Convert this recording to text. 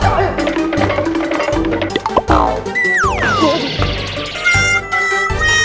silahat mereka semua